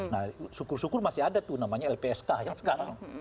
nah syukur syukur masih ada tuh namanya lpsk yang sekarang